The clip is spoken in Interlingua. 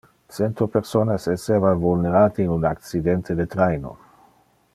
Cento personas esseva vulnerate in un accidente de traino.